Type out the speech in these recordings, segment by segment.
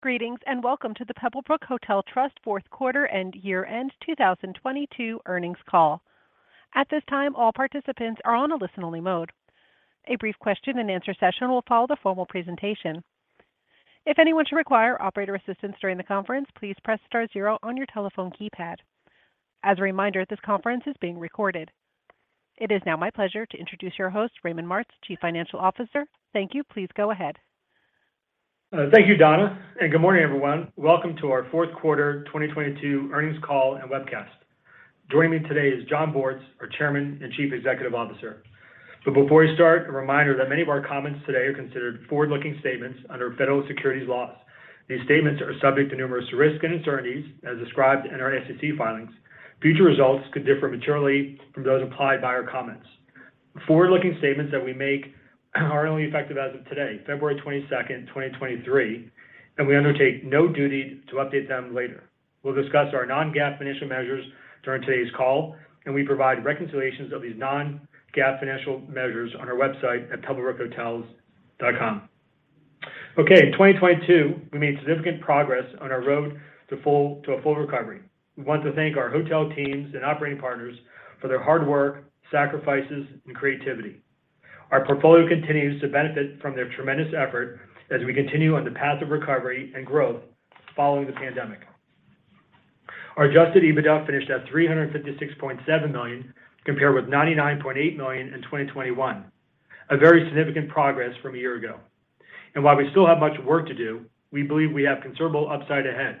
Greetings, welcome to the Pebblebrook Hotel Trust fourth quarter and year-end 2022 earnings call. At this time, all participants are on a listen-only mode. A brief question and answer session will follow the formal presentation. If anyone should require operator assistance during the conference, please press star zero on your telephone keypad. As a reminder, this conference is being recorded. It is now my pleasure to introduce your host, Raymond Martz, Chief Financial Officer. Thank you. Please go ahead. Thank you, Donna, and good morning, everyone. Welcome to our fourth quarter 2022 earnings call and webcast. Joining me today is Jon Bortz, our Chairman and Chief Executive Officer. Before we start, a reminder that many of our comments today are considered forward-looking statements under federal securities laws. These statements are subject to numerous risks and uncertainties as described in our SEC filings. Future results could differ materially from those applied by our comments. Forward-looking statements that we make are only effective as of today, February 22nd, 2023, We undertake no duty to update them later. We'll discuss our non-GAAP financial measures during today's call, and we provide reconciliations of these non-GAAP financial measures on our website at pebblebrookhotels.com. In 2022, we made significant progress on our road to a full recovery. We want to thank our hotel teams and operating partners for their hard work, sacrifices, and creativity. Our portfolio continues to benefit from their tremendous effort as we continue on the path of recovery and growth following the pandemic. Our Adjusted EBITDA finished at $356.7 million, compared with $99.8 million in 2021, a very significant progress from a year ago. While we still have much work to do, we believe we have considerable upside ahead.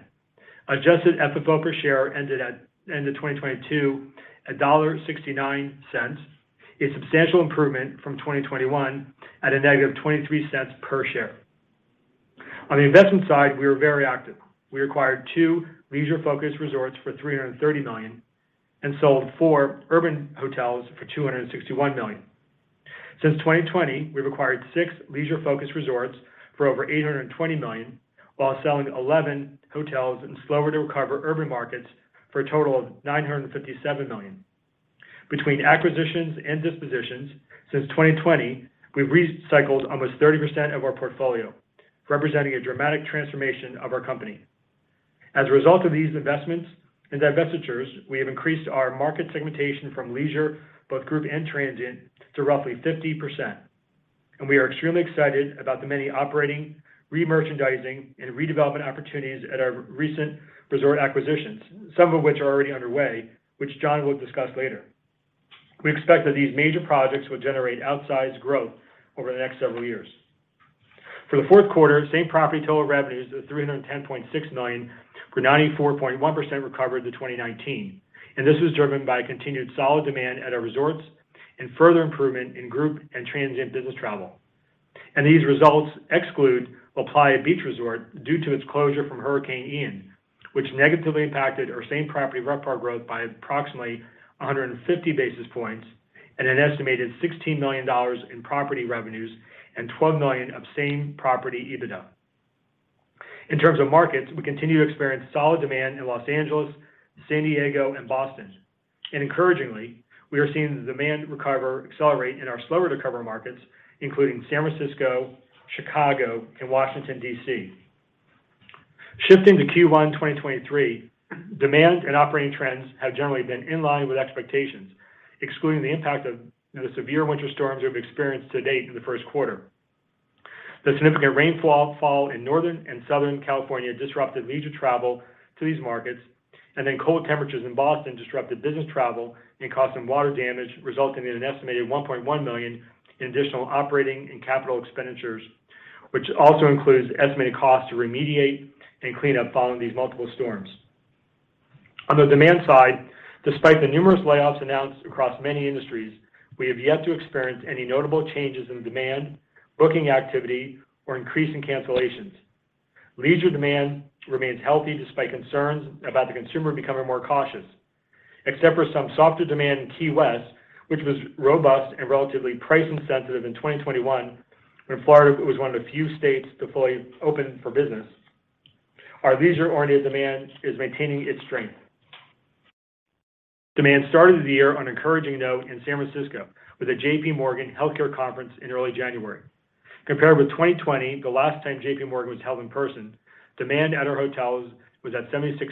Adjusted FFO per share ended at end of 2022, $1.69, a substantial improvement from 2021 at a negative $0.23 per share. On the investment side, we are very active. We acquired two leisure-focused resorts for $330 million and sold four urban hotels for $261 million. Since 2020, we've acquired six leisure-focused resorts for over $820 million while selling 11 hotels in slower to recover urban markets for a total of $957 million. Between acquisitions and dispositions, since 2020, we've recycled almost 30% of our portfolio, representing a dramatic transformation of our company. As a result of these investments and divestitures, we have increased our market segmentation from leisure, both group and transient, to roughly 50%. We are extremely excited about the many operating, re-merchandising, and redevelopment opportunities at our recent resort acquisitions, some of which are already underway, which Jon will discuss later. We expect that these major projects will generate outsized growth over the next several years. For the fourth quarter, same-property total revenues of $310.6 million were 94.1% recovery to 2019. This was driven by continued solid demand at our resorts and further improvement in group and transient business travel. These results exclude LaPlaya Beach Resort & Club due to its closure from Hurricane Ian, which negatively impacted our same-property RevPAR growth by approximately 150 basis points at an estimated $16 million in property revenues and $12 million of same-property EBITDA. In terms of markets, we continue to experience solid demand in Los Angeles, San Diego, and Boston. Encouragingly, we are seeing the demand recover accelerate in our slower to recover markets, including San Francisco, Chicago, and Washington, D.C. Shifting to Q1 2023, demand and operating trends have generally been in line with expectations, excluding the impact of the severe winter storms we've experienced to date in the first quarter. The significant rainfall in Northern and Southern California disrupted leisure travel to these markets, and then cold temperatures in Boston disrupted business travel and causing water damage, resulting in an estimated $1.1 million in additional operating and capital expenditures, which also includes estimated costs to remediate and clean up following these multiple storms. On the demand side, despite the numerous layoffs announced across many industries, we have yet to experience any notable changes in demand, booking activity, or increase in cancellations. Leisure demand remains healthy despite concerns about the consumer becoming more cautious. Except for some softer demand in Key West, which was robust and relatively price insensitive in 2021, when Florida was one of the few states to fully open for business, our leisure-oriented demand is maintaining its strength. Demand started the year on an encouraging note in San Francisco with a J.P. Morgan JPMorgan Healthcare Conference in early January. Compared with 2020, the last time J.P. Morgan was held in person, demand at our hotels was at 76.8%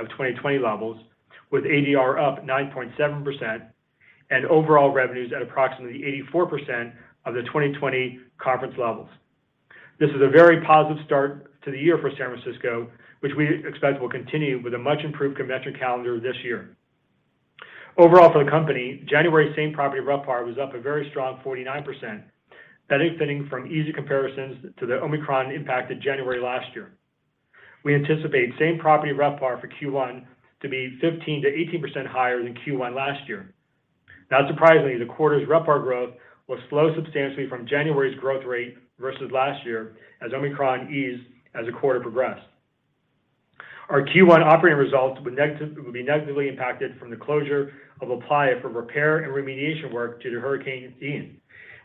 of 2020 levels, with ADR up 9.7% and overall revenues at approximately 84% of the 2020 conference levels. This is a very positive start to the year for San Francisco, which we expect will continue with a much-improved convention calendar this year. Overall for the company, January same-property RevPAR was up a very strong 49%, benefiting from easy comparisons to the Omicron impact in January last year. We anticipate same-property RevPAR for Q1 to be 15%-18% higher than Q1 last year. Not surprisingly, the quarter's RevPAR growth will slow substantially from January's growth rate versus last year as Omicron eased as the quarter progressed. Our Q1 operating results will be negatively impacted from the closure of LaPlaya for repair and remediation work due to Hurricane Ian,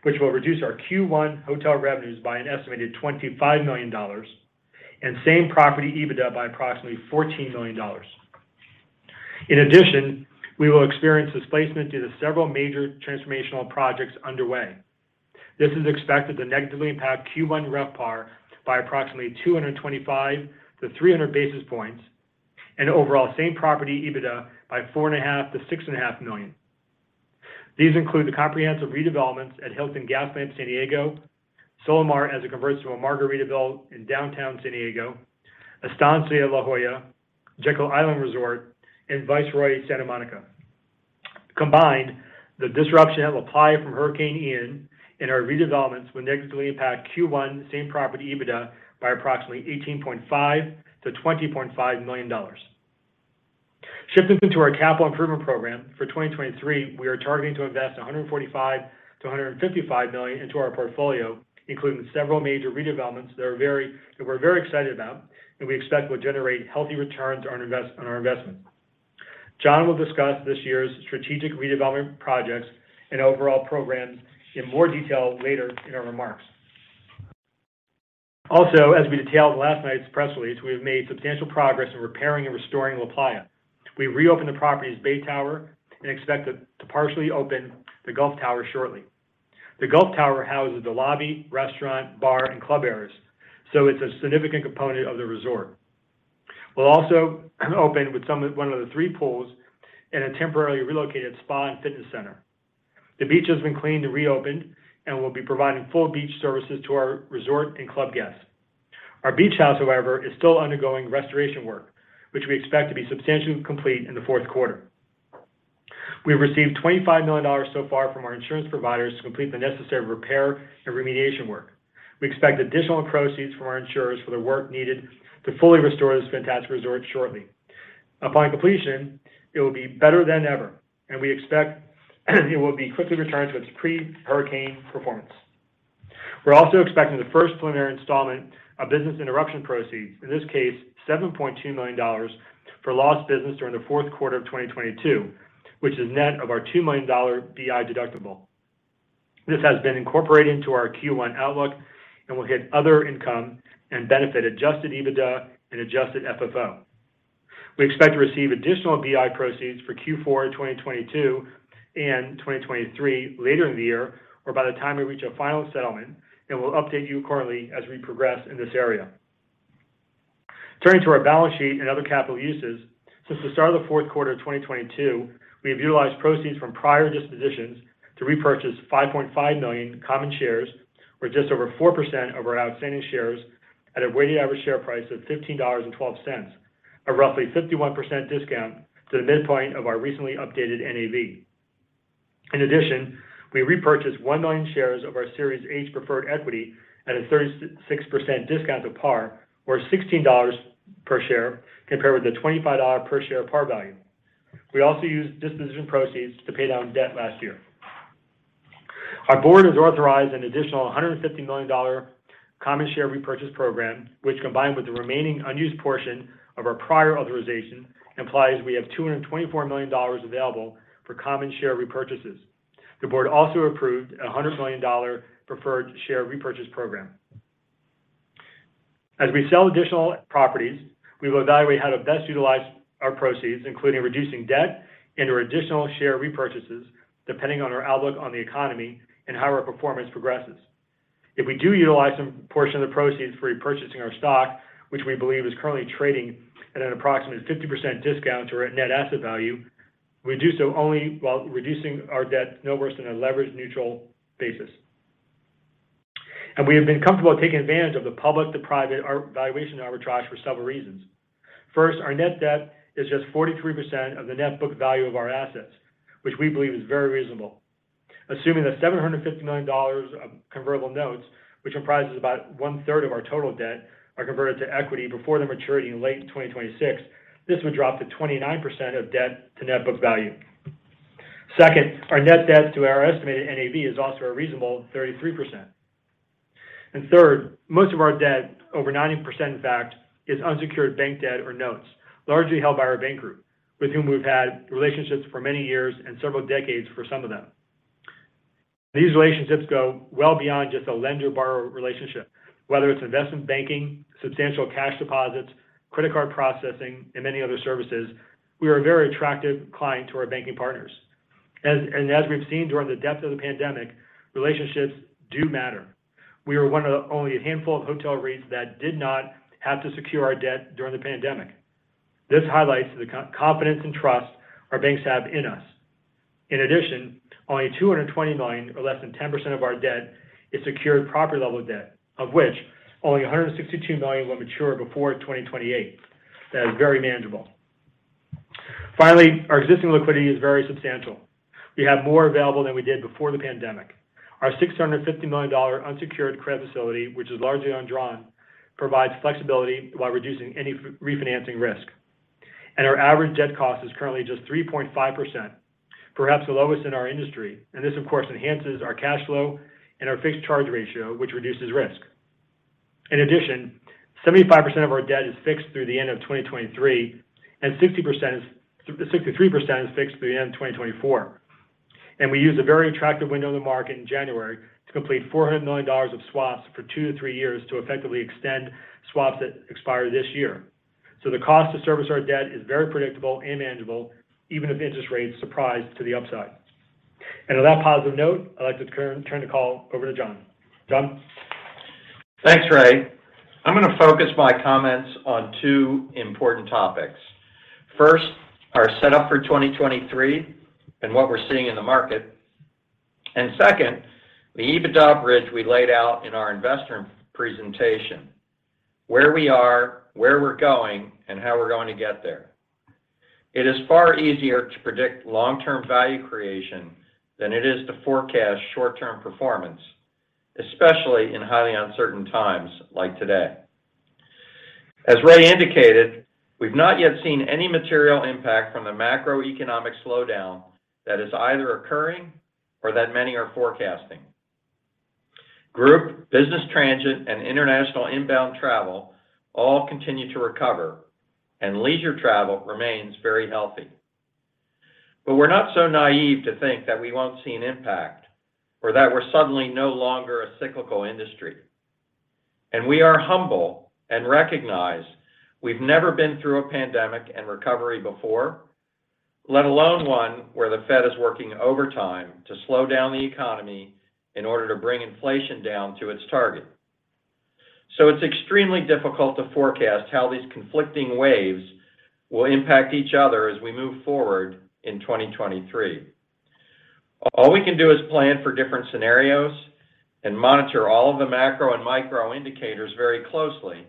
which will reduce our Q1 hotel revenues by an estimated $25 million and same property EBITDA by approximately $14 million. In addition, we will experience displacement due to several major transformational projects underway. This is expected to negatively impact Q1 RevPAR by approximately 225-300 basis points and overall same-property EBITDA by $4.5 million-$6.5 million. These include the comprehensive redevelopments at Hilton San Diego Gaslamp Quarter, Hotel Solamar as it converts to a Margaritaville in downtown San Diego, Estancia La Jolla Hotel & Spa, Jekyll Island Club Resort, and Viceroy Santa Monica. Combined, the disruption of LaPlaya Beach & Golf Resort from Hurricane Ian and our redevelopments will negatively impact Q1 same-property EBITDA by approximately $18.5 million-$20.5 million. Shifting to our capital improvement program, for 2023, we are targeting to invest $145 million-$155 million into our portfolio, including several major redevelopments that we're very excited about, and we expect will generate healthy returns on our investment. Jon will discuss this year's strategic redevelopment projects and overall programs in more detail later in our remarks. As we detailed in last night's press release, we have made substantial progress in repairing and restoring LaPlaya. We reopened the property's Bay Tower and expect to partially open the Gulf Tower shortly. The Gulf Tower houses the lobby, restaurant, bar, and club areas. It's a significant component of the resort. We'll also open with one of the three pools and a temporarily relocated spa and fitness center. The beach has been cleaned and reopened and will be providing full beach services to our resort and club guests. Our beach house, however, is still undergoing restoration work, which we expect to be substantially complete in the fourth quarter. We have received $25 million so far from our insurance providers to complete the necessary repair and remediation work. We expect additional proceeds from our insurers for the work needed to fully restore this fantastic resort shortly. Upon completion, it will be better than ever, and we expect it will be quickly returned to its pre-hurricane performance. We're also expecting the first preliminary installment of business interruption proceeds, in this case, $7.2 million for lost business during the fourth quarter of 2022, which is net of our $2 million BI deductible. This has been incorporated into our Q1 outlook and will hit other income and benefit Adjusted EBITDA and Adjusted FFO. We expect to receive additional BI proceeds for Q4 in 2022 and 2023 later in the year or by the time we reach a final settlement. We'll update you currently as we progress in this area. Turning to our balance sheet and other capital uses. Since the start of the fourth quarter of 2022, we have utilized proceeds from prior dispositions to repurchase 5.5 million common shares, or just over 4% of our outstanding shares, at a weighted average share price of $15.12, a roughly 51% discount to the midpoint of our recently updated NAV. In addition, we repurchased one million shares of our Series H preferred equity at a 36% discount to par, or $16 per share, compared with a $25 per share par value. We also used disposition proceeds to pay down debt last year. Our board has authorized an additional $150 million common share repurchase program, which combined with the remaining unused portion of our prior authorization, implies we have $224 million available for common share repurchases. The board also approved a $100 million preferred share repurchase program. As we sell additional properties, we will evaluate how to best utilize our proceeds, including reducing debt into additional share repurchases, depending on our outlook on the economy and how our performance progresses. If we do utilize a portion of the proceeds for repurchasing our stock, which we believe is currently trading at an approximate 50% discount to our net asset value, we do so only while reducing our debt no worse than a leverage neutral basis. We have been comfortable taking advantage of the public to private valuation arbitrage for several reasons. First, our net debt is just 43% of the net book value of our assets, which we believe is very reasonable. Assuming that $750 million of convertible notes, which comprises about one-third of our total debt, are converted to equity before their maturity in late 2026, this would drop to 29% of debt to net book value. Second, our net debt to our estimated NAV is also a reasonable 33%. Third, most of our debt, over 90%, in fact, is unsecured bank debt or notes, largely held by our bank group, with whom we've had relationships for many years and several decades for some of them. These relationships go well beyond just a lender-borrower relationship. Whether it's investment banking, substantial cash deposits, credit card processing, and many other services, we are a very attractive client to our banking partners. As we've seen during the depth of the pandemic, relationships do matter. We are one of only a handful of hotel REITs that did not have to secure our debt during the pandemic. This highlights the confidence and trust our banks have in us. In addition, only $220 million, or less than 10% of our debt, is secured property level debt, of which only $162 million will mature before 2028. That is very manageable. Finally, our existing liquidity is very substantial. We have more available than we did before the pandemic. Our $650 million unsecured credit facility, which is largely undrawn, provides flexibility while reducing any refinancing risk. Our average debt cost is currently just 3.5%, perhaps the lowest in our industry. This, of course, enhances our cash flow and our fixed charge ratio, which reduces risk. In addition, 75% of our debt is fixed through the end of 2023, and 63% is fixed through the end of 2024. We used a very attractive window in the market in January to complete $400 million of swaps for two to three years to effectively extend swaps that expire this year. The cost to service our debt is very predictable and manageable, even if interest rates surprise to the upside. On that positive note, I'd like to turn the call over to Jon. Jon? Thanks, Ray. I'm gonna focus my comments on two important topics. First, our setup for 2023 and what we're seeing in the market. Second, the EBITDA bridge we laid out in our investor presentation, where we are, where we're going, and how we're going to get there. It is far easier to predict long-term value creation than it is to forecast short-term performance, especially in highly uncertain times like today. As Ray indicated, we've not yet seen any material impact from the macroeconomic slowdown that is either occurring or that many are forecasting. Group, business transient, and international inbound travel all continue to recover, and leisure travel remains very healthy. We're not so naive to think that we won't see an impact or that we're suddenly no longer a cyclical industry. We are humble and recognize we've never been through a pandemic and recovery before, let alone one where the Fed is working overtime to slow down the economy in order to bring inflation down to its target. It's extremely difficult to forecast how these conflicting waves will impact each other as we move forward in 2023. All we can do is plan for different scenarios and monitor all of the macro and micro indicators very closely,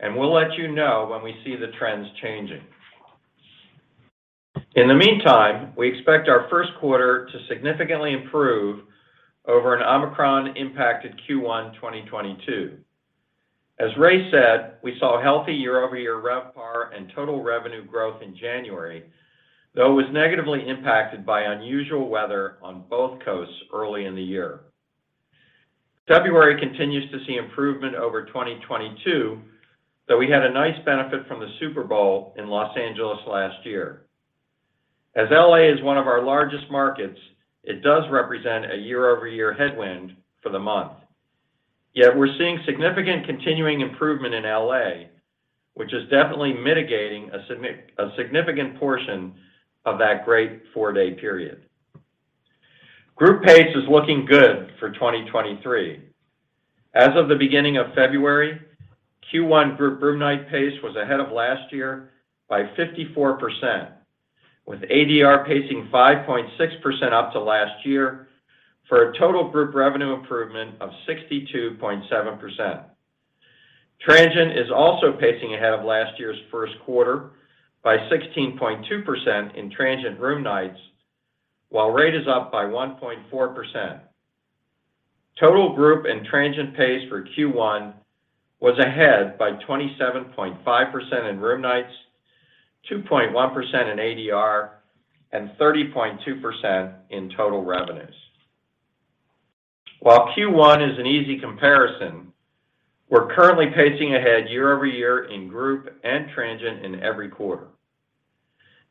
and we'll let you know when we see the trends changing. In the meantime, we expect our first quarter to significantly improve over an Omicron-impacted Q1 2022. As Ray said, we saw healthy year-over-year RevPAR and total revenue growth in January, though it was negatively impacted by unusual weather on both coasts early in the year. February continues to see improvement over 2022, though we had a nice benefit from the Super Bowl in L.A. last year. As L.A. is one of our largest markets, it does represent a year-over-year headwind for the month. Yet we're seeing significant continuing improvement in L.A., which is definitely mitigating a significant portion of that great four-day period. Group pace is looking good for 2023. As of the beginning of February, Q1 group room night pace was ahead of last year by 54%, with ADR pacing 5.6% up to last year for a total group revenue improvement of 62.7%. Transient is also pacing ahead of last year's first quarter by 16.2% in transient room nights, while rate is up by 1.4%. Total group and transient pace for Q1 was ahead by 27.5% in room nights, 2.1% in ADR, and 30.2% in total revenues. While Q1 is an easy comparison, we're currently pacing ahead year-over-year in group and transient in every quarter.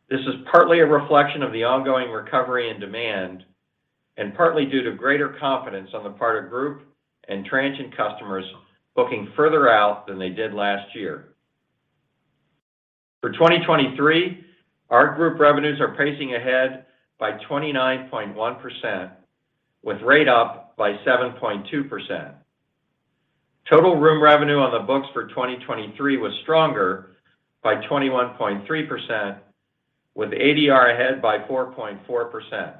This is partly a reflection of the ongoing recovery and demand, and partly due to greater confidence on the part of group and transient customers booking further out than they did last year. For 2023, our group revenues are pacing ahead by 29.1%, with rate up by 7.2%. Total room revenue on the books for 2023 was stronger by 21.3%, with ADR ahead by 4.4%.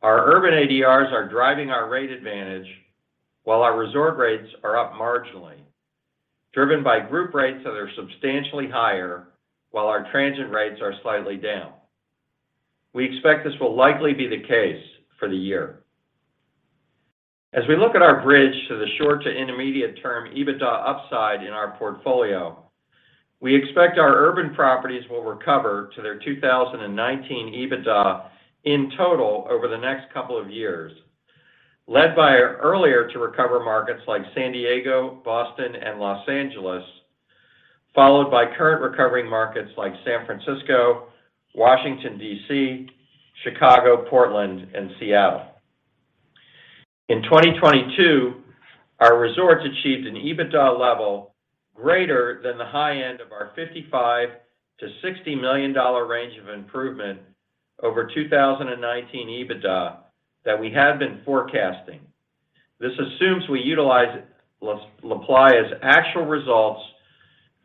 Our urban ADRs are driving our rate advantage while our resort rates are up marginally, driven by group rates that are substantially higher while our transient rates are slightly down. We expect this will likely be the case for the year. As we look at our bridge to the short to intermediate term EBITDA upside in our portfolio, we expect our urban properties will recover to their 2019 EBITDA in total over the next couple of years, led by our earlier to recover markets like San Diego, Boston, and Los Angeles, followed by current recovering markets like San Francisco, Washington, D.C., Chicago, Portland, and Seattle. In 2022, our resorts achieved an EBITDA level greater than the high end of our $55 million-$60 million range of improvement over 2019 EBITDA that we have been forecasting. This assumes we utilize LaPlaya's actual results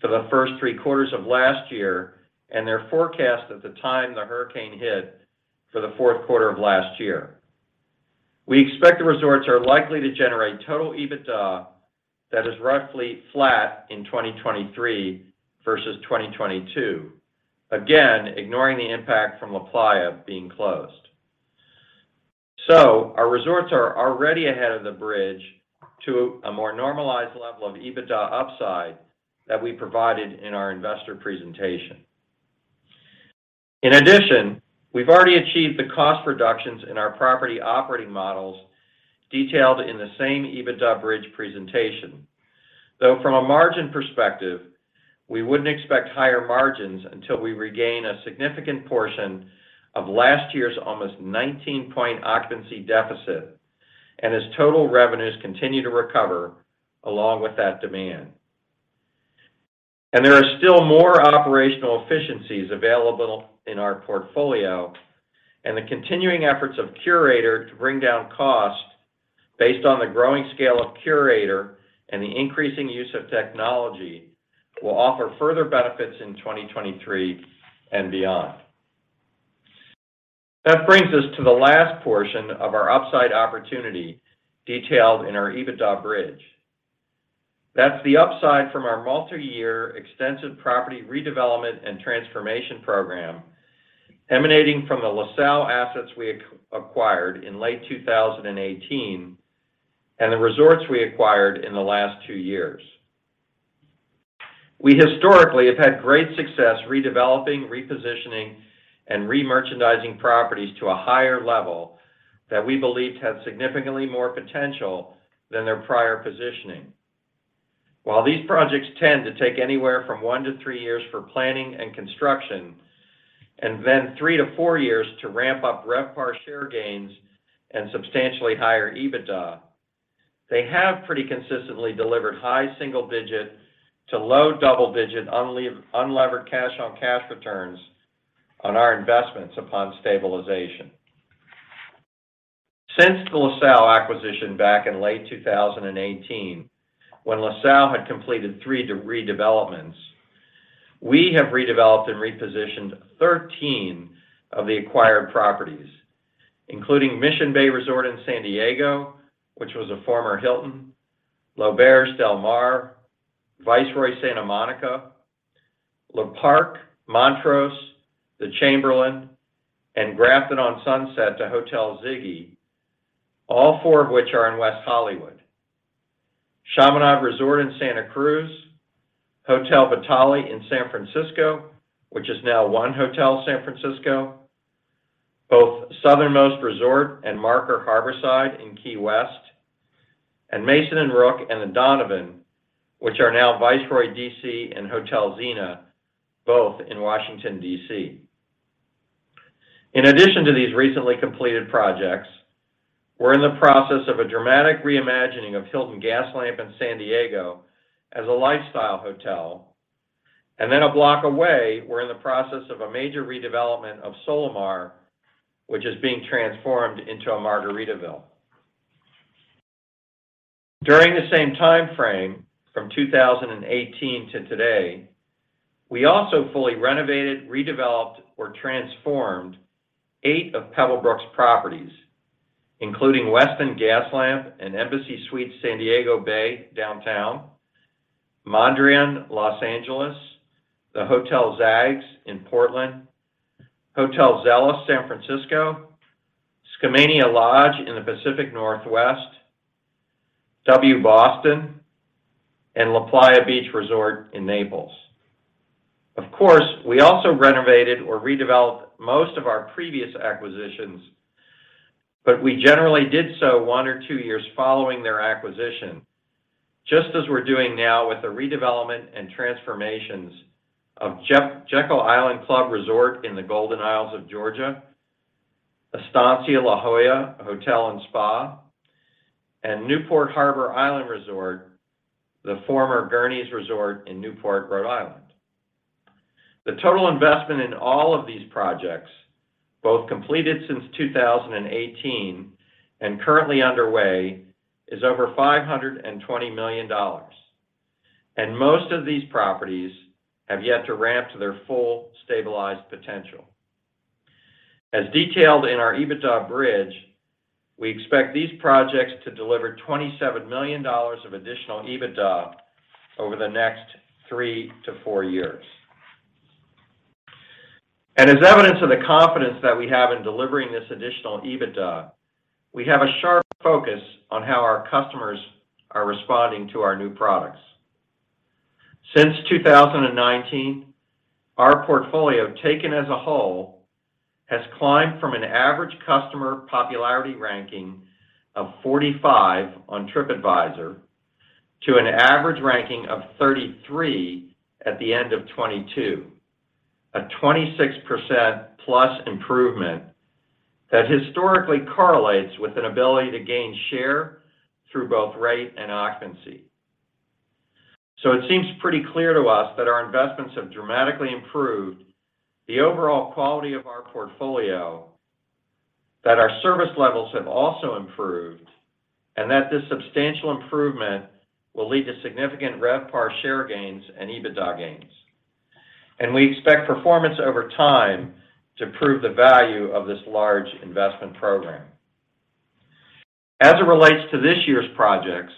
for the first three quarters of last year and their forecast at the time the hurricane hit for the fourth quarter of last year. We expect the resorts are likely to generate total EBITDA that is roughly flat in 2023 versus 2022. Again, ignoring the impact from LaPlaya being closed. Our resorts are already ahead of the bridge to a more normalized level of EBITDA upside that we provided in our investor presentation. In addition, we've already achieved the cost reductions in our property operating models detailed in the same EBITDA bridge presentation. From a margin perspective, we wouldn't expect higher margins until we regain a significant portion of last year's almost 19% occupancy deficit and as total revenues continue to recover along with that demand. There are still more operational efficiencies available in our portfolio, and the continuing efforts of Curator to bring down cost based on the growing scale of Curator and the increasing use of technology will offer further benefits in 2023 and beyond. That brings us to the last portion of our upside opportunity detailed in our EBITDA bridge. That's the upside from our multi-year extensive property redevelopment and transformation program emanating from the LaSalle assets we acquired in late 2018 and the resorts we acquired in the last two years. We historically have had great success redeveloping, repositioning, and re-merchandising properties to a higher level that we believe to have significantly more potential than their prior positioning. While these projects tend to take anywhere from one to three years for planning and construction, and then three to four years to ramp up RevPAR share gains and substantially higher EBITDA, they have pretty consistently delivered high single-digit to low double-digit unlevered cash on cash returns on our investments upon stabilization. Since the LaSalle acquisition back in late 2018, when LaSalle had completed three de-redevelopments, we have redeveloped and repositioned 13 of the acquired properties, including Mission Bay Resort in San Diego, which was a former Hilton, L'Auberge Del Mar, Viceroy Santa Monica, Le Parc, Montrose, The Chamberlain, and Grafton on Sunset to Hotel Ziggy, all four of which are in West Hollywood. Chaminade Resort in Santa Cruz, Hotel Vitale in San Francisco, which is now 1 Hotel San Francisco, both Southernmost Resort and Marker Harborside in Key West, and Mason & Rook and The Donovan, which are now Viceroy DC and Hotel Zena, both in Washington, D.C. In addition to these recently completed projects, we're in the process of a dramatic reimagining of Hilton Gaslamp in San Diego as a lifestyle hotel. A block away, we're in the process of a major redevelopment of Hotel Solamar, which is being transformed into a Margaritaville. During the same time frame, from 2018 to today, we also fully renovated, redeveloped, or transformed eight of Pebblebrook's properties, including Westin Gaslamp and Embassy Suites San Diego Bay Downtown, Mondrian Los Angeles, The Hotel Zags in Portland, Hotel Zelos San Francisco, Skamania Lodge in the Pacific Northwest, W Boston, and LaPlaya Beach Resort in Naples. Of course, we also renovated or redeveloped most of our previous acquisitions, but we generally did so one or two years following their acquisition, just as we're doing now with the redevelopment and transformations of Jekyll Island Club Resort in the Golden Isles of Georgia, Estancia La Jolla Hotel & Spa, and Newport Harbor Island Resort, the former Gurney's Resort in Newport, Rhode Island. The total investment in all of these projects, both completed since 2018 and currently underway, is over $520 million. Most of these properties have yet to ramp to their full stabilized potential. As detailed in our EBITDA bridge, we expect these projects to deliver $27 million of additional EBITDA over the next three to four years. As evidence of the confidence that we have in delivering this additional EBITDA, we have a sharp focus on how our customers are responding to our new products. Since 2019, our portfolio, taken as a whole, has climbed from an average customer popularity ranking of 45 on Tripadvisor to an average ranking of 33 at the end of 2022, a 26%+ improvement that historically correlates with an ability to gain share through both rate and occupancy. It seems pretty clear to us that our investments have dramatically improved the overall quality of our portfolio, that our service levels have also improved, and that this substantial improvement will lead to significant RevPAR share gains and EBITDA gains. We expect performance over time to prove the value of this large investment program. As it relates to this year's projects,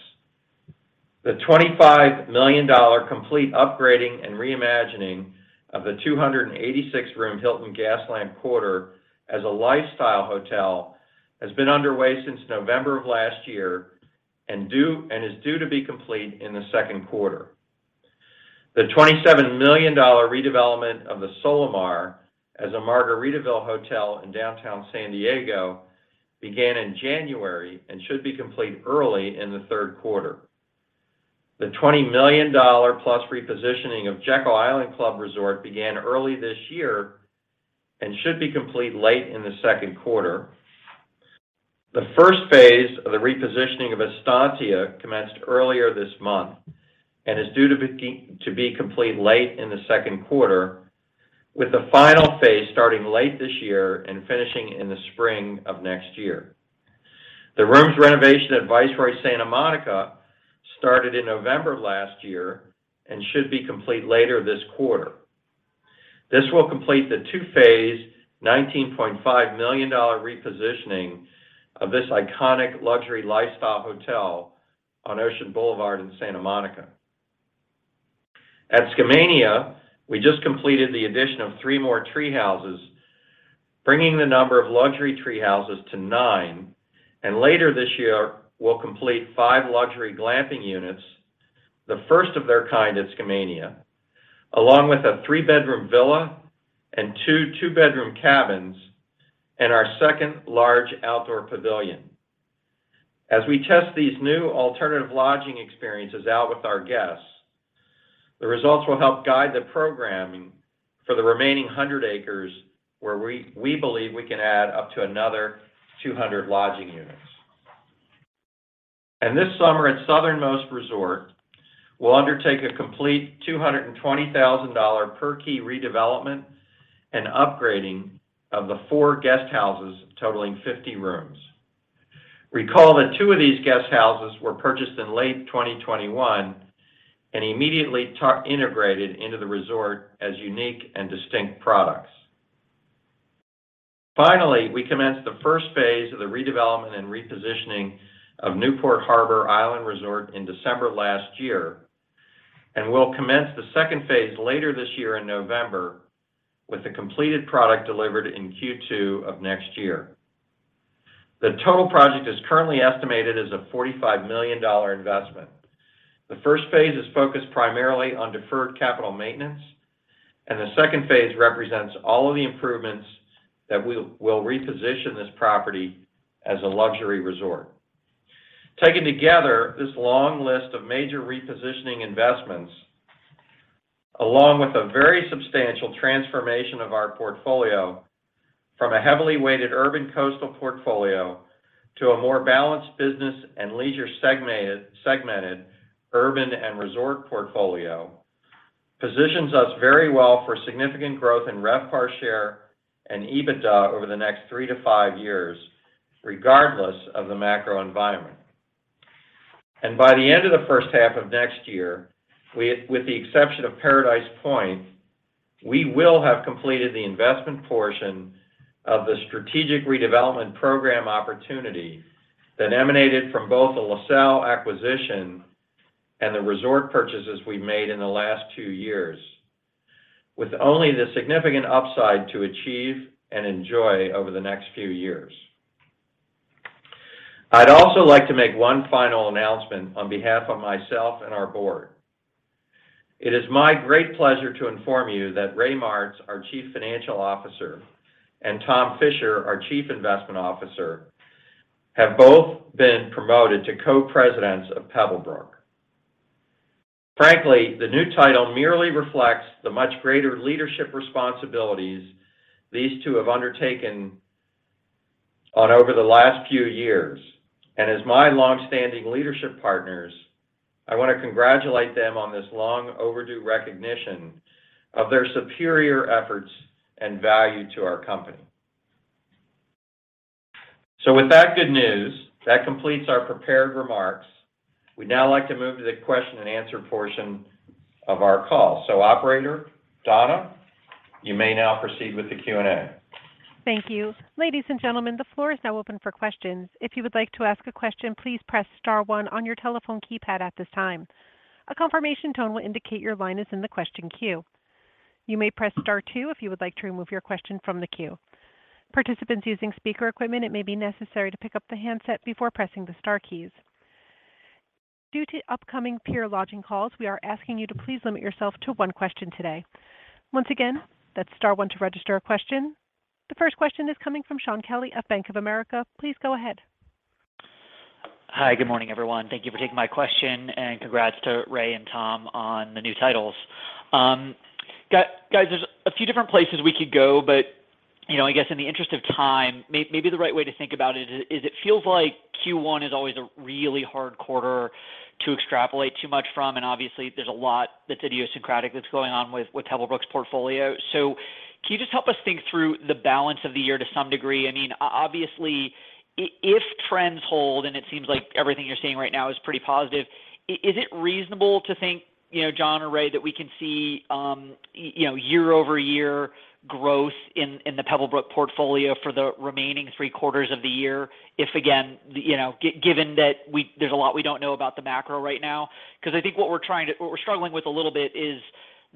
the $25 million complete upgrading and reimagining of the 286-room Hilton Gaslamp Quarter as a lifestyle hotel has been underway since November of last year and is due to be complete in the second quarter. The $27 million redevelopment of the Solamar as a Margaritaville Hotel in downtown San Diego began in January and should be complete early in the third quarter. The $20 million plus repositioning of Jekyll Island Club Resort began early this year and should be complete late in the second quarter. The first phase of the repositioning of Estancia commenced earlier this month and is due to be complete late in the second quarter, with the final phase starting late this year and finishing in the spring of next year. The rooms renovation at Viceroy Santa Monica started in November last year and should be complete later this quarter. This will complete the two-phase $19.5 million repositioning of this iconic luxury lifestyle hotel on Ocean Boulevard in Santa Monica. At Skamania, we just completed the addition of three more tree houses, bringing the number of luxury tree houses to nine. Later this year, we'll complete five luxury glamping units, the first of their kind at Skamania, along with a three-bedroom villa and two two-bedroom cabins, and our second large outdoor pavilion. As we test these new alternative lodging experiences out with our guests, the results will help guide the programming for the remaining 100 acres, where we believe we can add up to another 200 lodging units. This summer at Southernmost Resort, we'll undertake a complete $220,000 per key redevelopment and upgrading of the four guest houses totaling 50 rooms. Recall that two of these guest houses were purchased in late 2021 and immediately integrated into the resort as unique and distinct products. We commenced the first phase of the redevelopment and repositioning of Newport Harbor Island Resort in December last year. We'll commence the second phase later this year in November, with the completed product delivered in Q2 of next year. The total project is currently estimated as a $45 million investment. The first phase is focused primarily on deferred capital maintenance. The second phase represents all of the improvements that will reposition this property as a luxury resort. Taken together, this long list of major repositioning investments, along with a very substantial transformation of our portfolio from a heavily weighted urban coastal portfolio to a more balanced business and leisure segmented urban and resort portfolio, positions us very well for significant growth in RevPAR share and EBITDA over the next three to five years, regardless of the macro environment. By the end of the first half of next year, with the exception of Paradise Point, we will have completed the investment portion of the strategic redevelopment program opportunity that emanated from both the LaSalle acquisition and the resort purchases we made in the last two years, with only the significant upside to achieve and enjoy over the next few years. I'd also like to make one final announcement on behalf of myself and our board. It is my great pleasure to inform you that Ray Martz, our Chief Financial Officer, and Tom Fisher, our Chief Investment Officer, have both been promoted to Co-Presidents of Pebblebrook. Frankly, the new title merely reflects the much greater leadership responsibilities these two have undertaken on over the last few years. As my long-standing leadership partners, I want to congratulate them on this long overdue recognition of their superior efforts and value to our company. With that good news, that completes our prepared remarks. We'd now like to move to the question and answer portion of our call. Operator Donna, you may now proceed with the Q&A. Thank you. Ladies and gentlemen, the floor is now open for questions. If you would like to ask a question, please press star one on your telephone keypad at this time. A confirmation tone will indicate your line is in the question queue. You may press star two if you would like to remove your question from the queue. Participants using speaker equipment, it may be necessary to pick up the handset before pressing the star keys. Due to upcoming peer lodging calls, we are asking you to please limit yourself to one question today. Once again, that's star one to register a question. The first question is coming from Shaun Kelley at Bank of America. Please go ahead. Hi. Good morning, everyone. Thank you for taking my question, and congrats to Ray and Tom on the new titles. guys, there's a few different places we could go, but, you know, I guess in the interest of time, maybe the right way to think about it is it feels like Q1 is always a really hard quarter to extrapolate too much from, and obviously there's a lot that's idiosyncratic that's going on with Pebblebrook's portfolio. Can you just help us think through the balance of the year to some degree? I mean, obviously, if trends hold, and it seems like everything you're seeing right now is pretty positive, is it reasonable to think, you know, Jon or Ray, that we can see, you know, year-over-year growth in the Pebblebrook portfolio for the remaining three quarters of the year if, again, you know, given that we there's a lot we don't know about the macro right now? 'Cause I think what we're struggling with a little bit is.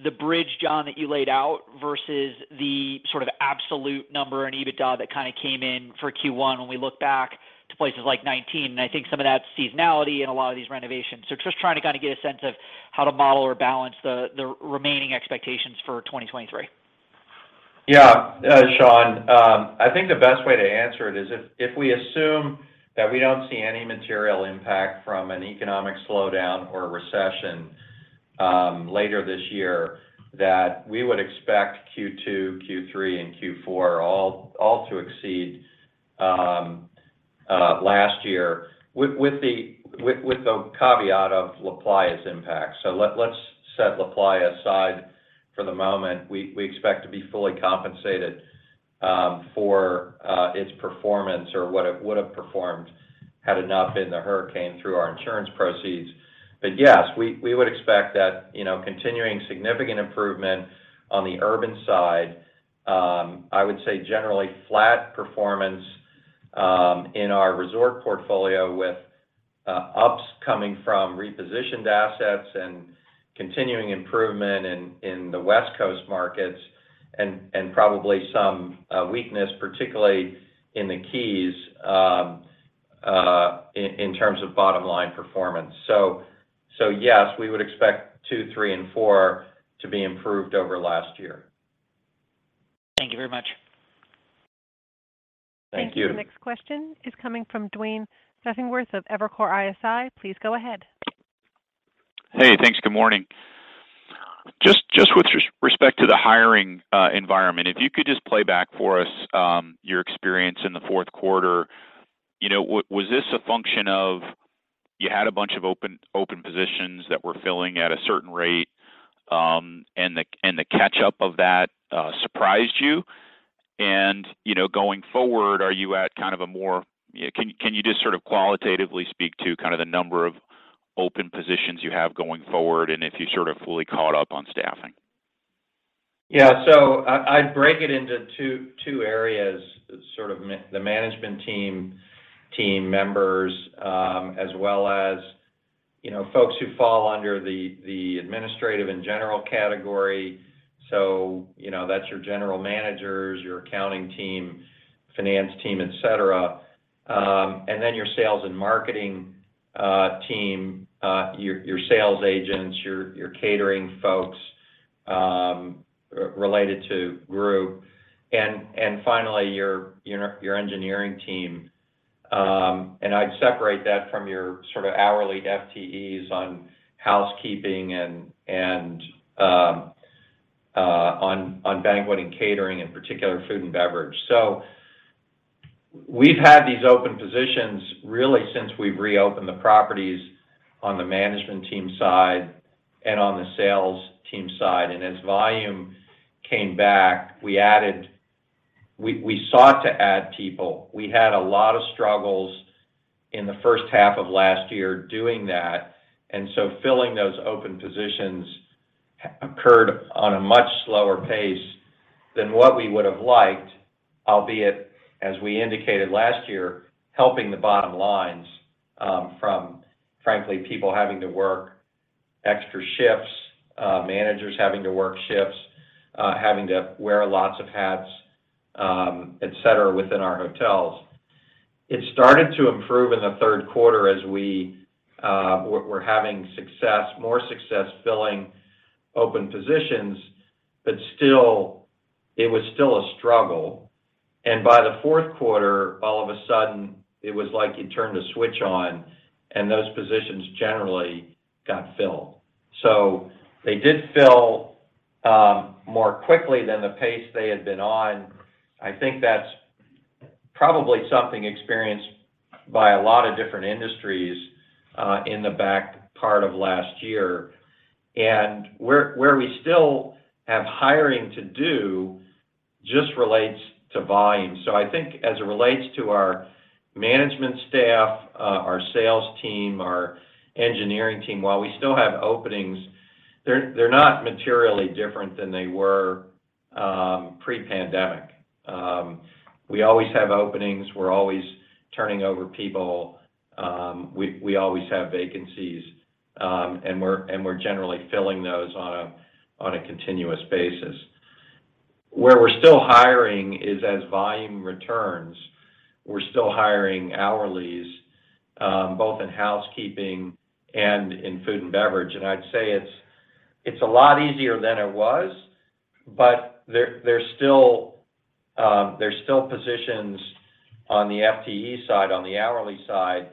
The bridge, Jon, that you laid out versus the sort of absolute number in EBITDA that kind of came in for Q1 when we look back to places like 2019, and I think some of that's seasonality and a lot of these renovations. Just trying to kind of get a sense of how to model or balance the remaining expectations for 2023. Yeah. Shaun, I think the best way to answer it is if we assume that we don't see any material impact from an economic slowdown or recession later this year, that we would expect Q2, Q3, and Q4 all to exceed last year with the caveat of LaPlaya's impact. Let's set LaPlaya aside for the moment. We expect to be fully compensated for its performance or what it would have performed had it not been the hurricane through our insurance proceeds. Yes, we would expect that, you know, continuing significant improvement on the urban side, I would say generally flat performance in our resort portfolio with ups coming from repositioned assets and continuing improvement in the West Coast markets and probably some weakness, particularly in the Keys, in terms of bottom line performance. Yes, we would expect two, three, and four to be improved over last year. Thank you very much. Thank you. Thank you. The next question is coming from Duane Pfennigwerth of Evercore ISI. Please go ahead. Hey, thanks. Good morning. Just with respect to the hiring environment, if you could just play back for us, your experience in the fourth quarter. You know, was this a function of you had a bunch of open positions that were filling at a certain rate, and the catch-up of that surprised you? And, you know, going forward, are you at kind of a more... Can you just sort of qualitatively speak to kind of the number of open positions you have going forward and if you sort of fully caught up on staffing? I'd break it into two areas, sort of the management team members, as well as, you know, folks who fall under the administrative and general category. So, you know, that's your general managers, your accounting team, finance team, et cetera. Then your sales and marketing team, your sales agents, your catering folks, related to group, and finally your engineering team. I'd separate that from your sort of hourly FTEs on housekeeping and on banquet and catering, in particular food and beverage. We've had these open positions really since we've reopened the properties on the management team side and on the sales team side. As volume came back, we added. We sought to add people. We had a lot of struggles in the first half of last year doing that. Filling those open positions occurred on a much slower pace than what we would have liked, albeit, as we indicated last year, helping the bottom lines, from, frankly, people having to work extra shifts, managers having to work shifts, having to wear lots of hats, et cetera, within our hotels. It started to improve in the third quarter as we were having success, more success filling open positions, but still, it was still a struggle. By the fourth quarter, all of a sudden, it was like you turned a switch on, and those positions generally got filled. They did fill more quickly than the pace they had been on. I think that's probably something experienced by a lot of different industries in the back part of last year. Where we still have hiring to do just relates to volume. I think as it relates to our management staff, our sales team, our engineering team, while we still have openings, they're not materially different than they were pre-pandemic. We always have openings. We're always turning over people. We always have vacancies, and we're generally filling those on a continuous basis. Where we're still hiring is as volume returns. We're still hiring hourlies, both in housekeeping and in food and beverage. I'd say it's a lot easier than it was, but there's still positions on the FTE side, on the hourly side,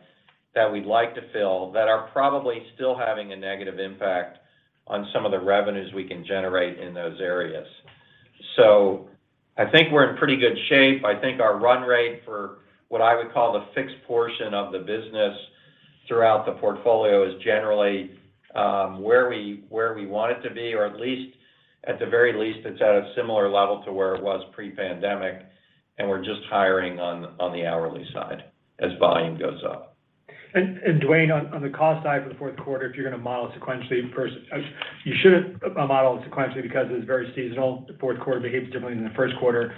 that we'd like to fill that are probably still having a negative impact on some of the revenues we can generate in those areas. I think we're in pretty good shape. I think our run rate for what I would call the fixed portion of the business throughout the portfolio is generally where we want it to be, or at least, at the very least, it's at a similar level to where it was pre-pandemic, and we're just hiring on the hourly side as volume goes up. Duane, on the cost side for the fourth quarter, if you're gonna model sequentially versus. You shouldn't model it sequentially because it's very seasonal. The fourth quarter behaves differently than the first quarter.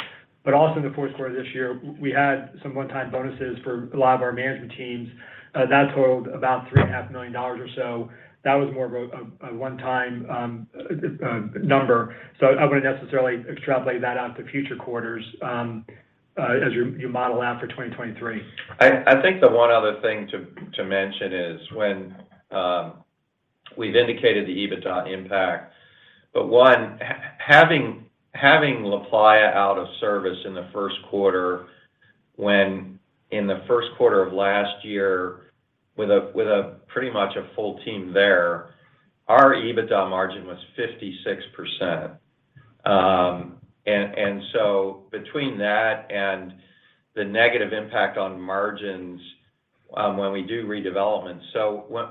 Also in the fourth quarter this year, we had some one-time bonuses for a lot of our management teams, that totaled about three and a half million dollars or so. That was more of a one-time number. I wouldn't necessarily extrapolate that out to future quarters. As your model out for 2023. I think the one other thing to mention is when we've indicated the EBITDA impact, but having LaPlaya out of service in the first quarter when in the first quarter of last year with a pretty much a full team there, our EBITDA margin was 56%. Between that and the negative impact on margins when we do redevelopments.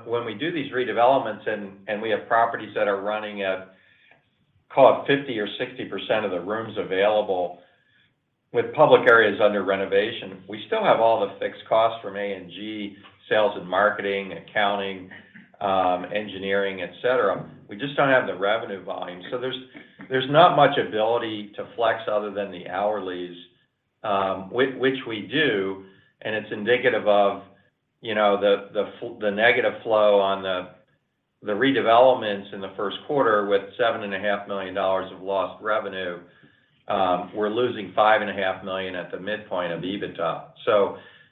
When we do these redevelopments and we have properties that are running at call it 50% or 60% of the rooms available with public areas under renovation, we still have all the fixed costs from ANG, sales and marketing, accounting, engineering, et cetera. We just don't have the revenue volume. There's not much ability to flex other than the hourlies, which we do, and it's indicative of, you know, the negative flow on the redevelopments in the first quarter with seven and a half million dollars of lost revenue, we're losing five and a half million at the midpoint of EBITDA.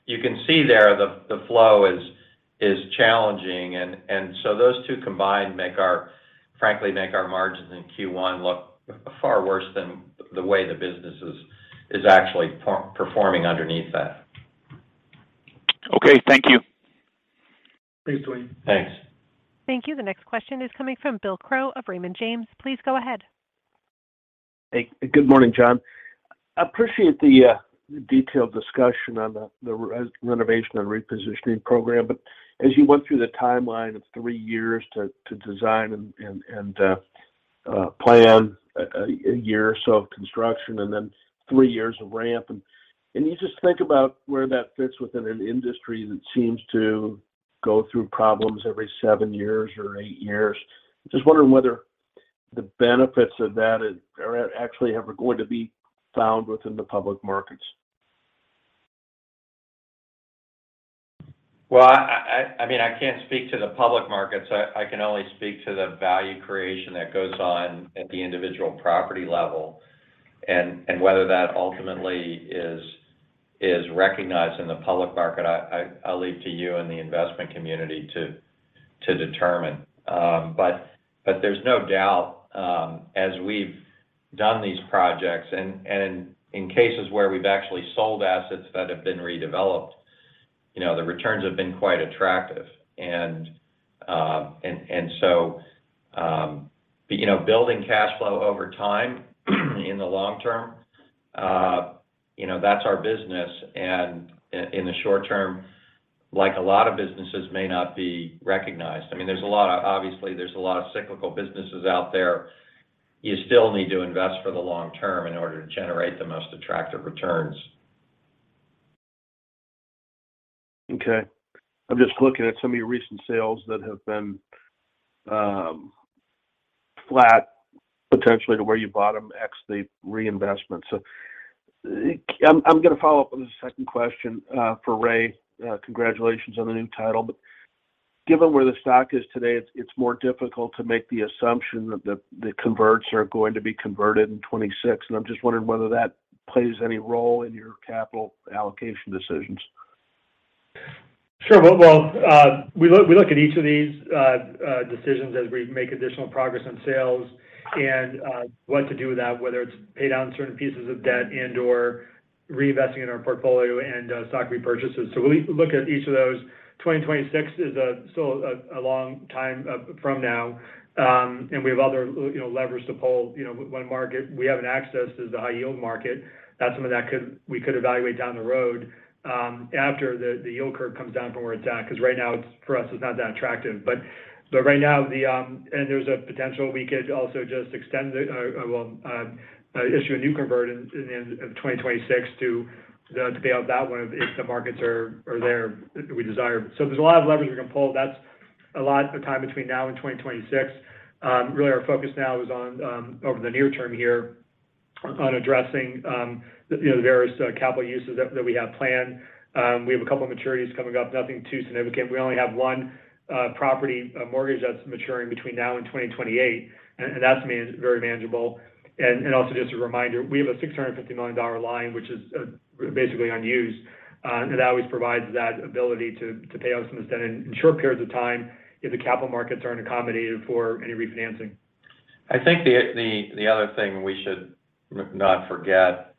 You can see there the flow is challenging and so those two combined make our frankly, make our margins in Q1 look far worse than the way the business is actually performing underneath that. Okay, thank you. Thanks, Duane. Thanks. Thank you. The next question is coming from Bill Crow of Raymond James. Please go ahead. Hey, good morning, Jon. I appreciate the detailed discussion on the renovation and repositioning program. As you went through the timeline of three years to design and plan a year or so of construction and then three years of ramp. You just think about where that fits within an industry that seems to go through problems every seven years or eight years. Just wondering whether the benefits of that are actually ever going to be found within the public markets? Well, I mean, I can't speak to the public markets. I can only speak to the value creation that goes on at the individual property level, and whether that ultimately is recognized in the public market, I'll leave to you and the investment community to determine. But there's no doubt, as we've done these projects and in cases where we've actually sold assets that have been redeveloped, you know, the returns have been quite attractive. You know, building cash flow over time in the long term, you know, that's our business, and in the short term, like a lot of businesses may not be recognized. I mean, obviously, there's a lot of cyclical businesses out there. You still need to invest for the long term in order to generate the most attractive returns. I'm just looking at some of your recent sales that have been flat, potentially to where you bought them, ex the reinvestment. I'm gonna follow up with a second question for Ray. Congratulations on the new title. Given where the stock is today, it's more difficult to make the assumption that the converts are going to be converted in 2026. I'm just wondering whether that plays any role in your capital allocation decisions. Sure. Well, we look at each of these decisions as we make additional progress on sales and what to do with that, whether it's pay down certain pieces of debt and/or reinvesting in our portfolio and stock repurchases. We look at each of those. 2026 is still a long time from now. We have other, you know, levers to pull. You know, one market we haven't accessed is the high-yield market. That's something we could evaluate down the road after the yield curve comes down from where it's at, because right now it's, for us, it's not that attractive. Right now the... There's a potential we could also just extend the... or well, issue a new convert in of 2026 to pay out that one if the markets are there we desire. There's a lot of leverage we can pull. That's a lot of time between now and 2026. Really our focus now is on over the near term here on addressing the, you know, the various capital uses that we have planned. We have a couple of maturities coming up, nothing too significant. We only have one property mortgage that's maturing between now and 2028, and that's very manageable. Also just a reminder, we have a $650 million line, which is basically unused. That always provides that ability to pay off some of this debt in short periods of time if the capital markets aren't accommodated for any refinancing. I think the other thing we should not forget,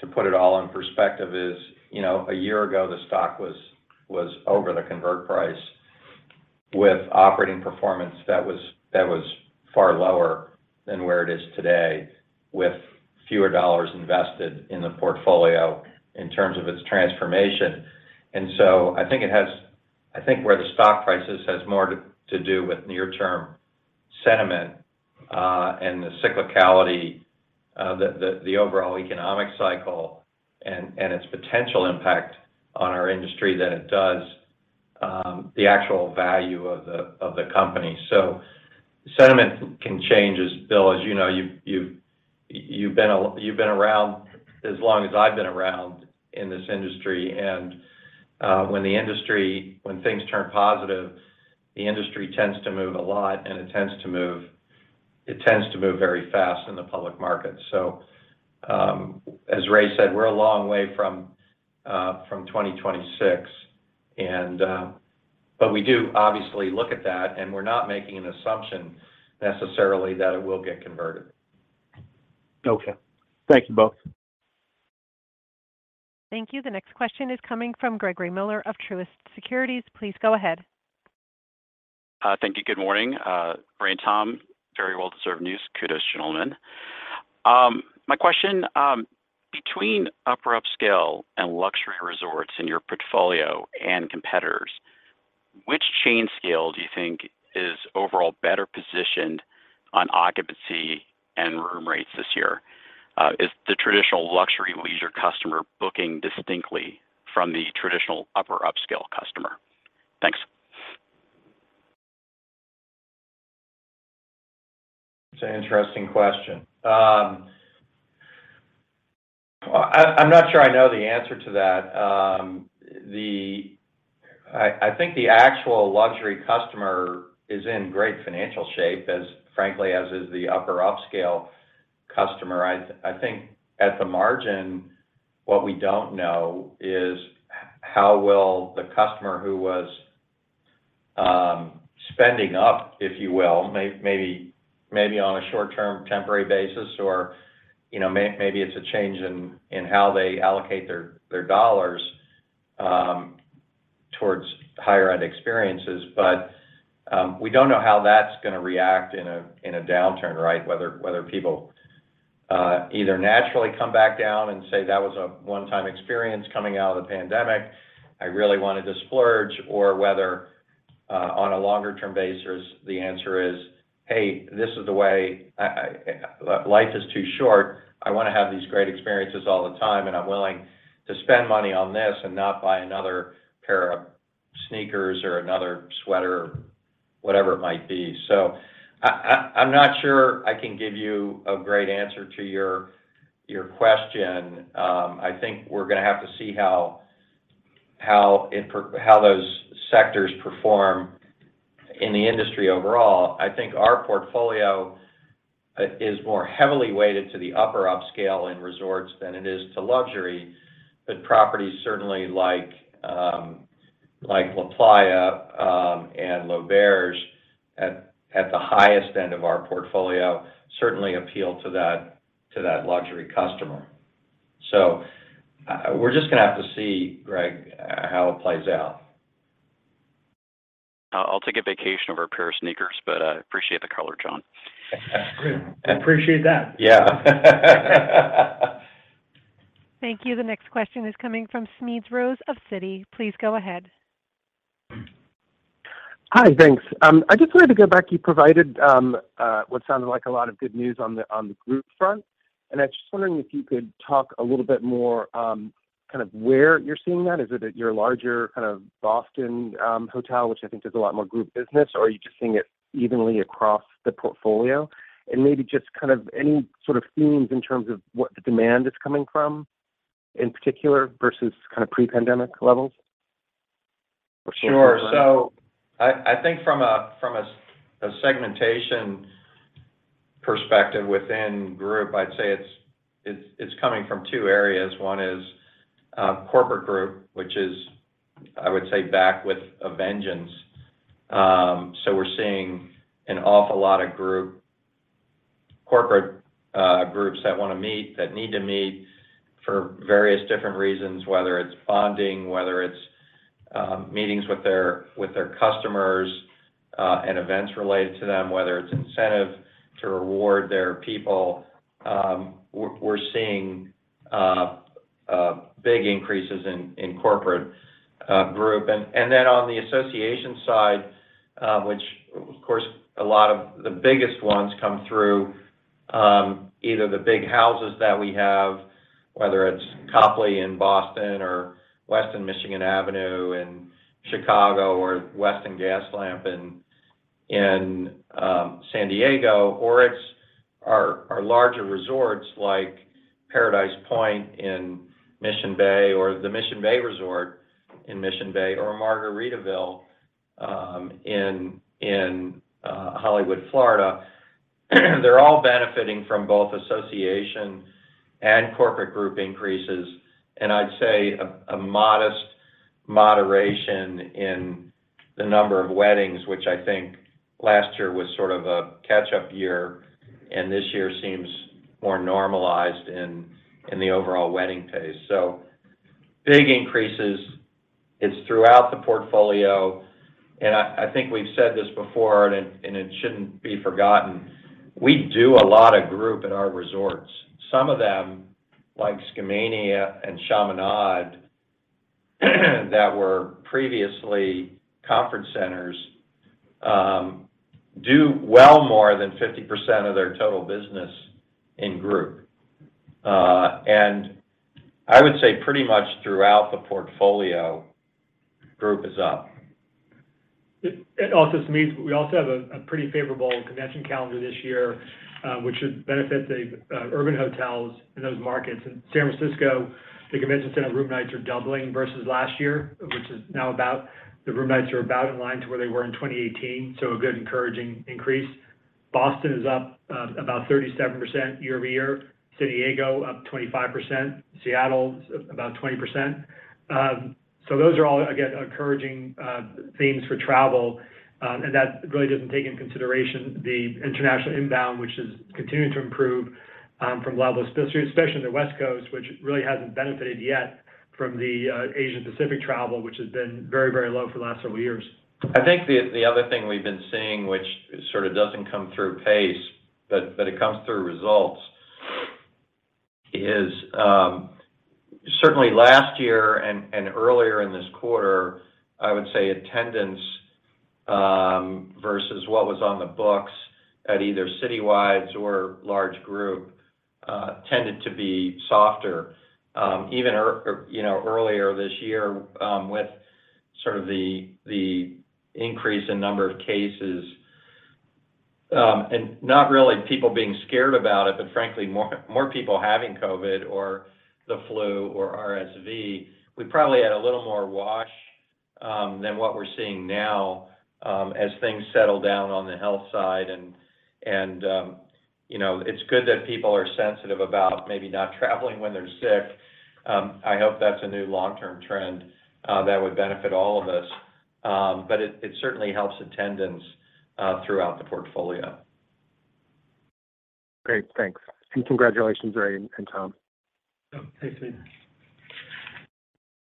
to put it all in perspective, is, you know, a year ago, the stock was over the convert price with operating performance that was far lower than where it is today, with fewer dollars invested in the portfolio in terms of its transformation. I think where the stock price is has more to do with near-term sentiment and the cyclicality of the overall economic cycle and its potential impact on our industry than it does the actual value of the company. Sentiment can change, as Bill, as you know, you've been around as long as I've been around in this industry. When things turn positive, the industry tends to move a lot, and it tends to move very fast in the public market. As Ray said, we're a long way from 2026. We do obviously look at that, and we're not making an assumption necessarily that it will get converted. Okay. Thank you both. Thank you. The next question is coming from Gregory Miller of Truist Securities. Please go ahead. Thank you. Good morning, Ray and Tom. Very well-deserved news. Kudos, gentlemen. My question, between upper upscale and luxury resorts in your portfolio and competitors, which chain scale do you think is overall better positioned on occupancy and room rates this year? Is the traditional luxury leisure customer booking distinctly from the traditional upper upscale customer? Thanks. It's an interesting question. I'm not sure I know the answer to that. I think the actual luxury customer is in great financial shape as, frankly, as is the upper upscale customer. I think at the margin, what we don't know is how will the customer who was spending up, if you will, maybe on a short-term temporary basis or, you know, maybe it's a change in how they allocate their dollars towards higher-end experiences. We don't know how that's gonna react in a downturn, right? Whether people either naturally come back down and say, that was a one-time experience coming out of the pandemic. I really wanted to splurge, or whether on a longer term basis, the answer is, hey, this is the way. Life is too short. I wanna have these great experiences all the time, and I'm willing to spend money on this and not buy another pair of sneakers or another sweater, whatever it might be. I'm not sure I can give you a great answer to your question. I think we're gonna have to see how those sectors perform in the industry overall. I think our portfolio is more heavily weighted to the upper upscale in resorts than it is to luxury. Properties certainly like LaPlaya and L'Auberge at the highest end of our portfolio, certainly appeal to that luxury customer. We're just gonna have to see, Greg, how it plays out. I'll take a vacation over a pair of sneakers, but I appreciate the color, Jon. I appreciate that. Yeah. Thank you. The next question is coming from Smedes Rose of Citi. Please go ahead. Hi. Thanks. I just wanted to go back. You provided, what sounded like a lot of good news on the, on the group front, and I was just wondering if you could talk a little bit more, kind of where you're seeing that. Is it at your larger kind of Boston, hotel, which I think does a lot more group business, or are you just seeing it evenly across the portfolio? Maybe just kind of any sort of themes in terms of what the demand is coming from in particular versus kind of pre-pandemic levels? Sure. I think from a, from a segmentation perspective within group, I'd say it's coming from two areas. One is a corporate group, which is, I would say, back with a vengeance. We're seeing an awful lot of group, corporate groups that wanna meet, that need to meet for various different reasons, whether it's bonding, whether it's meetings with their, with their customers, and events related to them, whether it's incentive to reward their people. We're seeing big increases in corporate group. Then on the association side, which of course, a lot of the biggest ones come through, either the big houses that we have, whether it's Copley in Boston or Westin Michigan Avenue in Chicago or Westin Gaslamp in San Diego. It's our larger resorts like Paradise Point in Mission Bay or the Mission Bay Resort in Mission Bay or Margaritaville in Hollywood, Florida. They're all benefiting from both association and corporate group increases. I'd say a modest moderation in the number of weddings, which I think last year was sort of a catch-up year, and this year seems more normalized in the overall wedding pace. Big increases. It's throughout the portfolio. I think we've said this before, and it shouldn't be forgotten. We do a lot of group at our resorts. Some of them, like Skamania and Chaminade that were previously conference centers, do well more than 50% of their total business in group. I would say pretty much throughout the portfolio, group is up. It also means we also have a pretty favorable convention calendar this year. Which should benefit the urban hotels in those markets. In San Francisco, the convention center room nights are doubling versus last year, which is now about in line to where they were in 2018, so a good encouraging increase. Boston is up about 37% year-over-year. San Diego, up 25%. Seattle, about 20%. Those are all, again, encouraging themes for travel, and that really doesn't take into consideration the international inbound, which is continuing to improve from global, especially in the West Coast, which really hasn't benefited yet from the Asian Pacific travel, which has been very, very low for the last several years. I think the other thing we've been seeing, which sort of doesn't come through pace, but it comes through results, is certainly last year and earlier in this quarter, I would say attendance versus what was on the books at either citywides or large group tended to be softer. Even you know, earlier this year, with sort of the increase in number of cases, and not really people being scared about it, but frankly, more people having COVID or the flu or RSV, we probably had a little more wash than what we're seeing now, as things settle down on the health side and you know, it's good that people are sensitive about maybe not traveling when they're sick. I hope that's a new long-term trend that would benefit all of us. It certainly helps attendance throughout the portfolio. Great. Thanks. Congratulations, Ray and Tom. Oh, thanks, Ian. Smedes.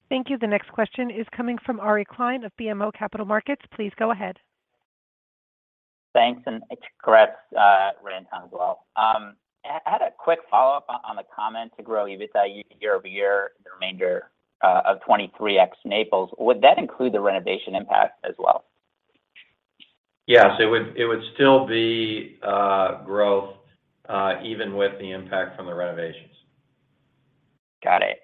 Thank you. The next question is coming from Ari Klein of BMO Capital Markets. Please go ahead. Thanks, and congrats, Ray and Tom as well. I had a quick follow-up on the comment to grow EBITDA year-over-year, the remainder of 23 ex Naples. 2023 ex-Naples. Would that include the renovation impact as well? Yes, it would still be growth even with the impact from the renovations. Got it.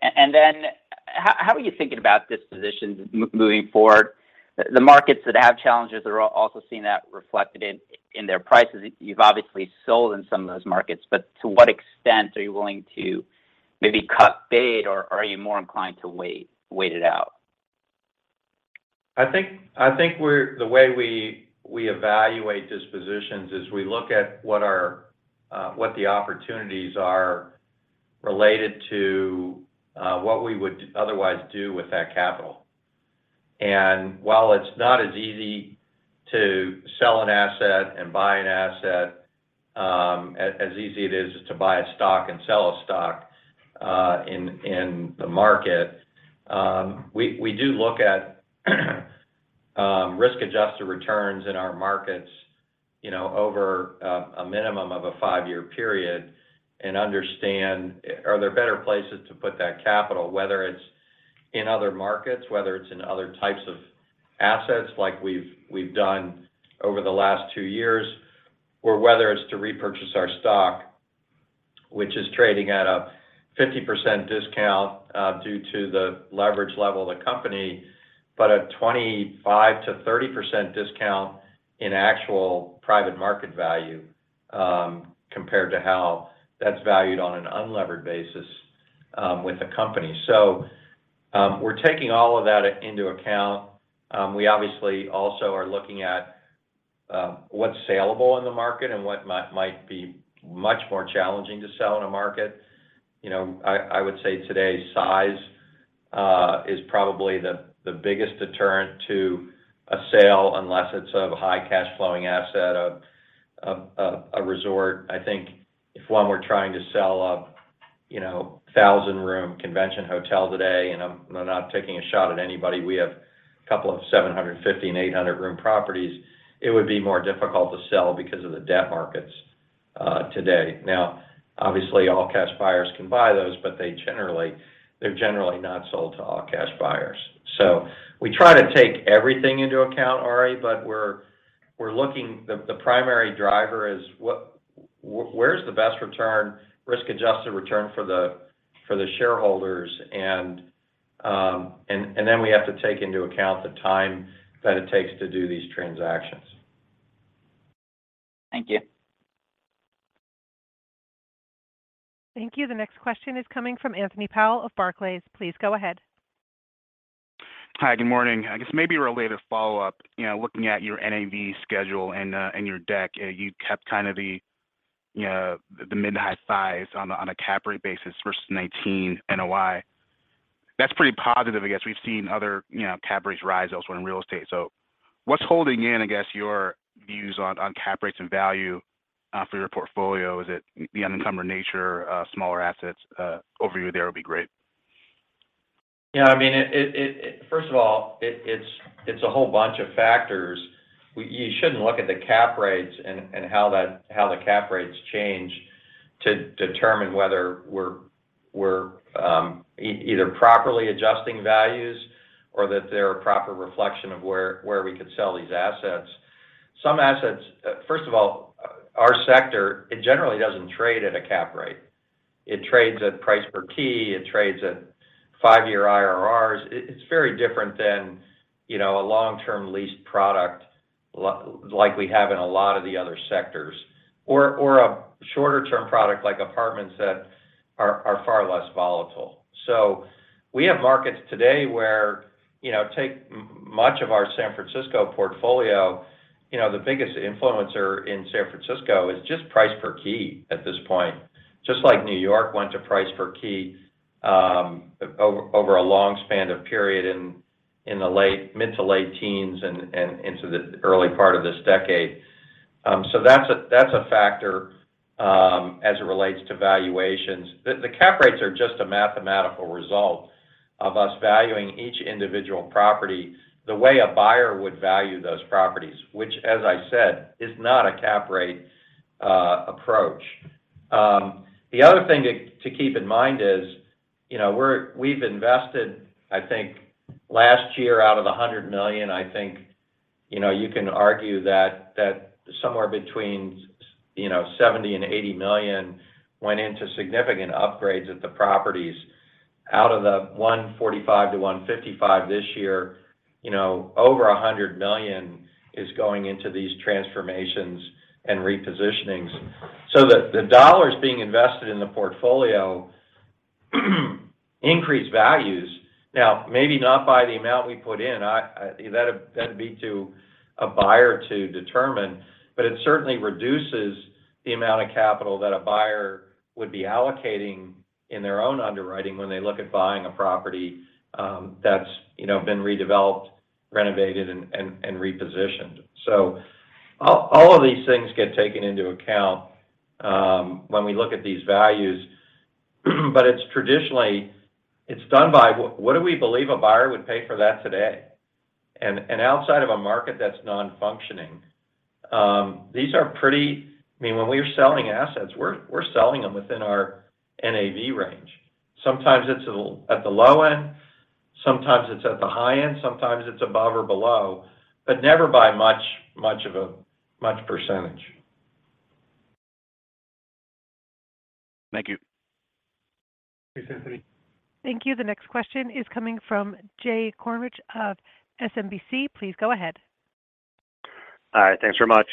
How are you thinking about dispositions moving forward? The markets that have challenges are also seeing that reflected in their prices. You've obviously sold in some of those markets, but to what extent are you willing to maybe cut bait or are you more inclined to wait it out? I think the way we evaluate dispositions is we look at what our what the opportunities are related to what we would otherwise do with that capital. While it's not as easy to sell an asset and buy an asset, as easy it is to buy a stock and sell a stock, in the market, we do look at risk-adjusted returns in our markets, you know, over a minimum of a five-year period and understand are there better places to put that capital, whether it's in other markets, whether it's in other types of assets like we've done over the last two years, or whether it's to repurchase our stock, which is trading at a 50% discount, due to the leverage level of the company, but a 25%-30% discount in actual private market value, compared to how that's valued on an unlevered basis, with the company. We're taking all of that into account. We obviously also are looking at what's saleable in the market and what might be much more challenging to sell in a market. You know, I would say today size is probably the biggest deterrent to a sale unless it's a high cash flowing asset, a resort. I think if one were trying to sell a, you know, 1,000-room convention hotel today, and I'm not taking a shot at anybody, we have a couple of 750 and 800 room properties, it would be more difficult to sell because of the debt markets today. Now, obviously, all-cash buyers can buy those, but they're generally not sold to all-cash buyers. We try to take everything into account, Ari, but we're looking... The primary driver is where's the best return, risk-adjusted return for the shareholders and then we have to take into account the time that it takes to do these transactions. Thank you. Thank you. The next question is coming from Anthony Powell of Barclays. Please go ahead. Hi, good morning. I guess maybe a related follow-up. You know, looking at your NAV schedule and your deck, you kept kind of the, you know, the mid-high size on a cap rate basis versus 2019 NOI. That's pretty positive, I guess. We've seen other, you know, cap rates rise elsewhere in real estate. What's holding in, I guess, your views on cap rates and value for your portfolio? Is it the unencumbered nature, smaller assets? Overview there would be great. I mean, it's, it's a whole bunch of factors. You shouldn't look at the cap rates and how the cap rates change to determine whether we're either properly adjusting values or that they're a proper reflection of where we could sell these assets. Some assets. First of all, our sector, it generally doesn't trade at a cap rate. It trades at price per key. It trades at five-year IRRs. It, it's very different than, you know, a long-term lease product like we have in a lot of the other sectors or a shorter-term product like apartments that are far less volatile. We have markets today where, you know, take much of our San Francisco portfolio. You know, the biggest influencer in San Francisco is just price per key at this point. Just like New York went to price per key, over a long span of period in the mid to late teens and into the early part of this decade. That's a, that's a factor as it relates to valuations. The cap rates are just a mathematical result of us valuing each individual property the way a buyer would value those properties, which as I said, is not a cap rate approach. The other thing to keep in mind is, you know, we've invested, I think last year out of the $100 million, I think, you know, you can argue that somewhere between you know, $70 million and $80 million went into significant upgrades at the properties. Out of the $145-$155 this year, you know, over $100 million is going into these transformations and repositionings. The dollars being invested in the portfolio increase values. Now, maybe not by the amount we put in. That'd be to a buyer to determine. It certainly reduces the amount of capital that a buyer would be allocating in their own underwriting when they look at buying a property, that's, you know, been redeveloped, renovated, and repositioned. All of these things get taken into account when we look at these values, but it's traditionally it's done by what do we believe a buyer would pay for that today? Outside of a market that's non-functioning, these are pretty... I mean, when we are selling assets, we're selling them within our NAV range. Sometimes it's at the low end, sometimes it's at the high end, sometimes it's above or below, but never by much percentage. Thank you. Thanks, Anthony. Thank you. The next question is coming from Jay Kornreich of SMBC. Please go ahead. All right. Thanks very much.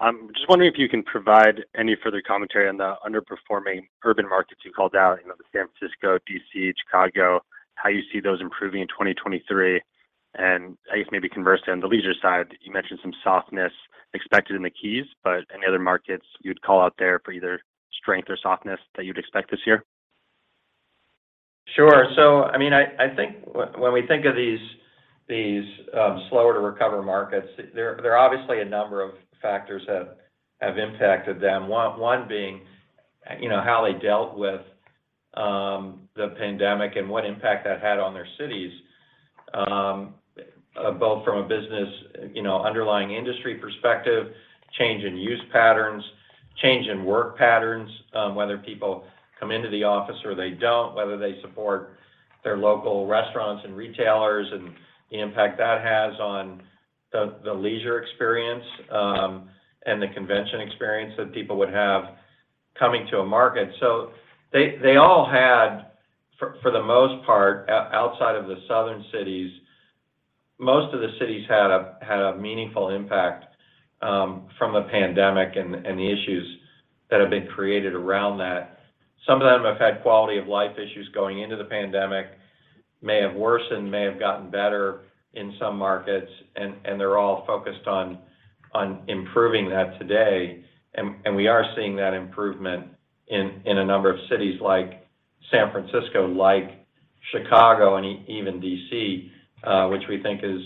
I'm just wondering if you can provide any further commentary on the underperforming urban markets you called out, you know, San Francisco, DC, Chicago, how you see those improving in 2023. I guess maybe conversely on the leisure side, you mentioned some softness expected in the Keys, but any other markets you'd call out there for either strength or softness that you'd expect this year? Sure. I mean, I think when we think of these slower to recover markets, there are obviously a number of factors that have impacted them. One being, you know, how they dealt with the pandemic and what impact that had on their cities, both from a business, you know, underlying industry perspective, change in use patterns, change in work patterns, whether people come into the office or they don't, whether they support their local restaurants and retailers, and the impact that has on the leisure experience and the convention experience that people would have coming to a market. They all had for the most part, outside of the southern cities, most of the cities had a meaningful impact from the pandemic and the issues that have been created around that. Some of them have had quality of life issues going into the pandemic, may have worsened, may have gotten better in some markets, and they're all focused on improving that today. We are seeing that improvement in a number of cities like San Francisco, like Chicago, and even D.C., which we think is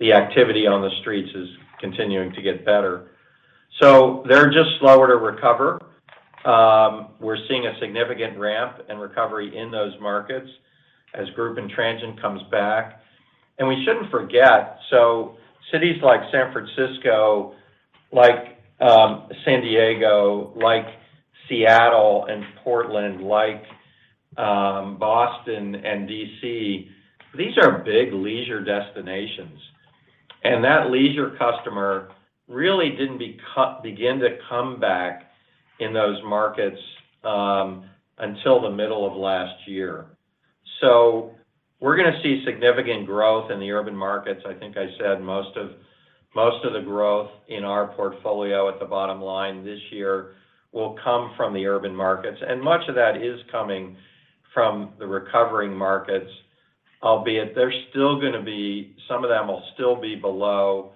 the activity on the streets is continuing to get better. They're just slower to recover. We're seeing a significant ramp in recovery in those markets as group and transient comes back. We shouldn't forget, cities like San Francisco, like San Diego, like Seattle and Portland, like Boston and D.C., these are big leisure destinations. That leisure customer really didn't begin to come back in those markets until the middle of last year. We're going to see significant growth in the urban markets. I think I said most of the growth in our portfolio at the bottom line this year will come from the urban markets, much of that is coming from the recovering markets, albeit some of them will still be below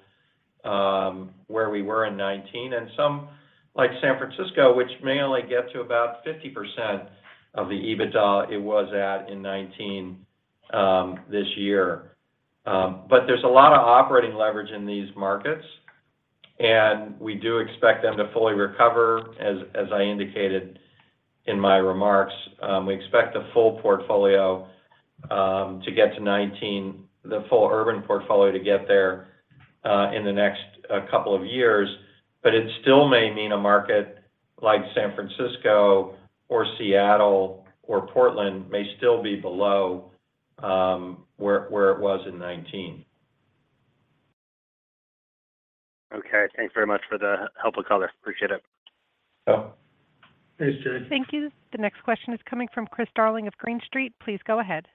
where we were in 2019, and some like San Francisco, which may only get to about 50% of the EBITDA it was at in 2019 this year. There's a lot of operating leverage in these markets, we do expect them to fully recover. As I indicated in my remarks, we expect the full portfolio to get to 2019, the full urban portfolio to get there in the next couple of years. It still may mean a market like San Francisco or Seattle or Portland may still be below, where it was in 2019. Okay. Thanks very much for the help of color. Appreciate it. Yeah. Thanks, Jay. Thank you. The next question is coming from Chris Darling of Green Street. Please go ahead.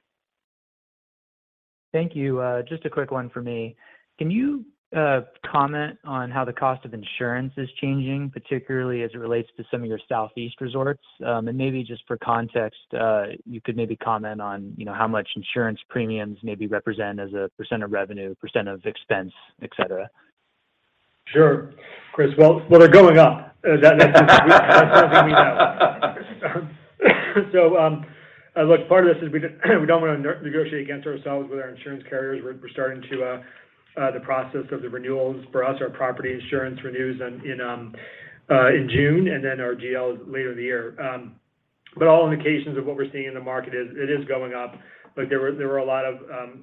Thank you. Just a quick one for me. Can you comment on how the cost of insurance is changing, particularly as it relates to some of your Southeast resorts? Maybe just for context, you could maybe comment on, you know, how much insurance premiums maybe represent as a percent of revenue, percent of expense, et cetera. Sure. Chris, well, they're going up. That's something we know. Look, part of this is we don't want to negotiate against ourselves with our insurance carriers. We're starting the process of the renewals. For us, our property insurance renews in June, and then our GL is later in the year. All indications of what we're seeing in the market is it is going up. Look, there were a lot of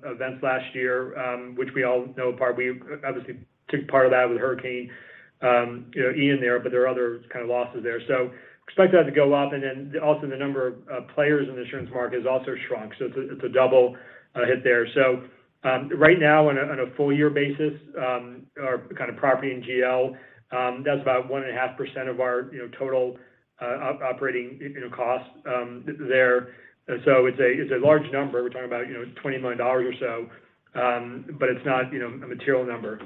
events last year, which we all know apart. We obviously took part of that with Hurricane, you know, Ian there, but there are other kind of losses there. Expect that to go up. Also the number of players in the insurance market has also shrunk. It's a double hit there. Right now on a full year basis, our kind of property in GL, that's about 1.5% of our, you know, total operating, you know, costs there. It's a large number. We're talking about, you know, $20 million or so, but it's not, you know, a material number.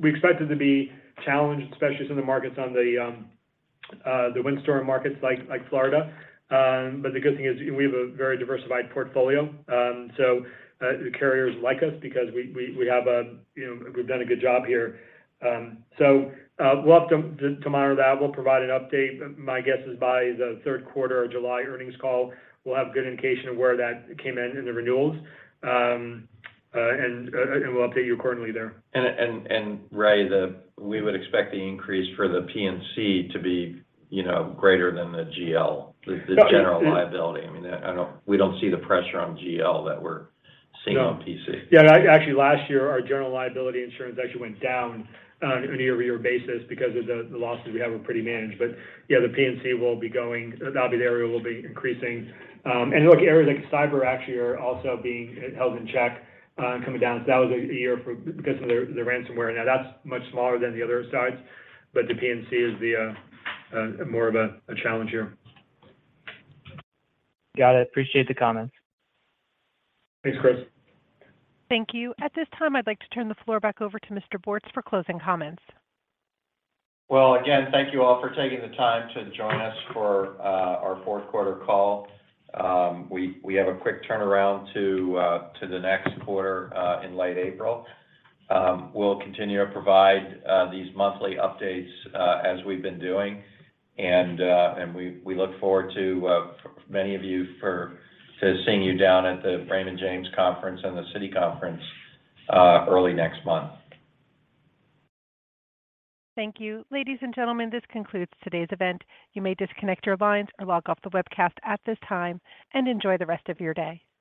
We expect it to be challenged, especially some of the markets on the windstorm markets like Florida. The good thing is we have a very diversified portfolio. The carriers like us because we have a. You know, we've done a good job here. We'll have to monitor that. We'll provide an update. My guess is by the third quarter or July earnings call, we'll have good indication of where that came in in the renewals. We'll update you accordingly there. Ray, we would expect the increase for the P&C to be, you know, greater than the GL, the general liability. I mean, we don't see the pressure on GL that we're seeing on PC. No. Yeah, actually, last year, our general liability insurance actually went down on a year-over-year basis because of the losses we have were pretty managed. Yeah, the PNC will be going. That'll be the area we'll be increasing. Look, areas like cyber actually are also being held in check, coming down. That was a year for because of the ransomware. Now that's much smaller than the other sides, but the PNC is the more of a challenge here. Got it. Appreciate the comments. Thanks, Chris. Thank you. At this time, I'd like to turn the floor back over to Mr. Bortz for closing comments. Well, again, thank you all for taking the time to join us for our fourth quarter call. We have a quick turnaround to the next quarter in late April. We'll continue to provide these monthly updates as we've been doing. We look forward to many of you to seeing you down at the Raymond James conference and the Citi Conference early next month. Thank you. Ladies and gentlemen, this concludes today's event. You may disconnect your lines or log off the webcast at this time, and enjoy the rest of your day.